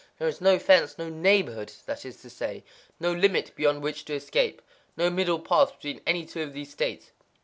"There is no fence," "no neighborhood,"—that is to say, no limit beyond which to escape,—no middle path between any two of these states.